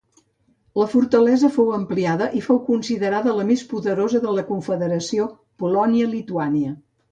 La fortalesa fou ampliada i fou considerada la més poderosa de la confederació de Polònia-Lituània.